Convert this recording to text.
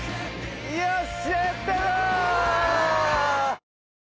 よっしゃ‼やったぞ！